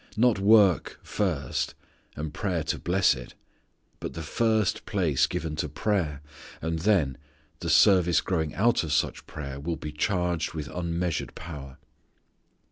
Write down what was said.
Not work first, and prayer to bless it. But the first place given to prayer and then the service growing out of such prayer will be charged with unmeasured power.